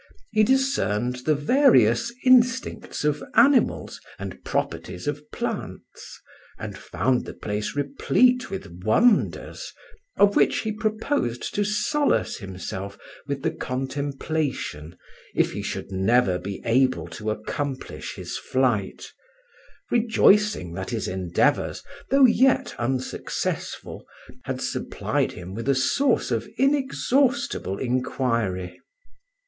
He discerned the various instincts of animals and properties of plants, and found the place replete with wonders, of which he proposed to solace himself with the contemplation if he should never be able to accomplish his flight—rejoicing that his endeavours, though yet unsuccessful, had supplied him with a source of inexhaustible inquiry.